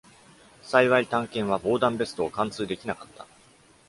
幸い、短剣は防弾ベストを貫通できなかった。